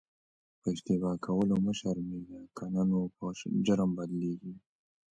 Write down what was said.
په اشتباه کولو مه شرمېږه که نه نو په جرم بدلیږي.